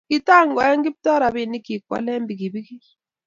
Kitangoi Kiptoo rabinik chik koale pikipikit